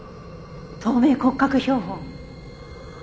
透明骨格標本。